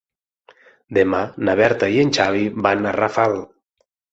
Demà na Berta i en Xavi van a Rafal.